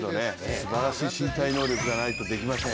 すばらしい身体能力がないとできません。